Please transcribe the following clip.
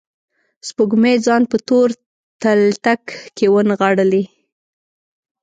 سپوږمۍ ځان په تور تلتک کې ونغاړلي